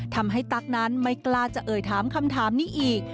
ตั๊กนั้นไม่กล้าจะเอ่ยถามคำถามนี้อีก